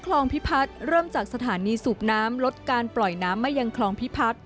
พิพัฒน์เริ่มจากสถานีสูบน้ำลดการปล่อยน้ำมายังคลองพิพัฒน์